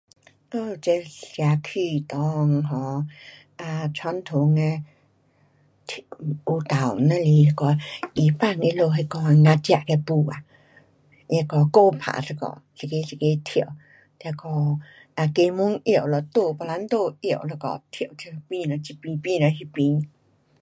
我们这社区内 um 啊，传统的跳，舞蹈只是那个 Iban 他们那个 ngajak 的舞啊，它那个鼓打一下，一个一个跳，那个啊鸡毛拿了刀，八冷刀拿一下跳跳，指了这边，指了那边。